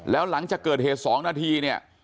แล้วหลังจากเกิดเหตุ๒นาทีเนี่ย